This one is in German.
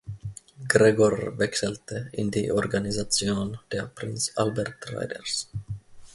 Gregor wechselte in die Organisation der Prince Albert Raiders.